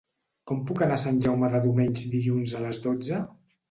Com puc anar a Sant Jaume dels Domenys dilluns a les dotze?